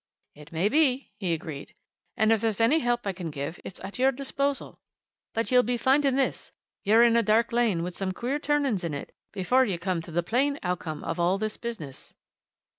"It may be," he agreed. "And if there's any help I can give, it's at your disposal. But you'll be finding this you're in a dark lane, with some queer turnings in it, before you come to the plain outcome of all this business!"